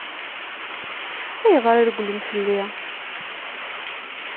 Ayɣer i regglen fell-i?